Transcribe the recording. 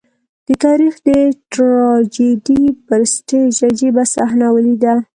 د تاریخ د ټراجېډي پر سټېج عجيبه صحنه ولیده.